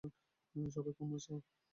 সবাই ক্ষমা চাও!